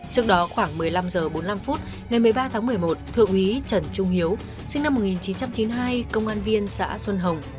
trước đó khoảng một mươi năm h bốn mươi năm phút ngày một mươi ba tháng một mươi một thượng úy trần trung hiếu sinh năm một nghìn chín trăm chín mươi hai công an viên xã xuân hồng